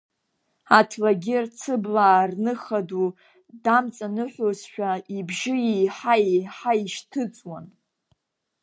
Аҭлагьыр цыблаа рныха ду дамҵаныҳәозшәа ибжьы еиҳа-еиҳа ишьҭыҵуан.